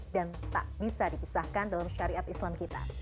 dan tak bisa dipisahkan dalam syariat islam kita